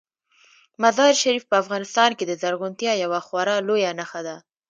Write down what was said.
مزارشریف په افغانستان کې د زرغونتیا یوه خورا لویه نښه ده.